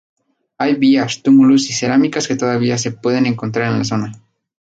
Hay vías, túmulos y cerámicas que todavía se pueden encontrar en la zona.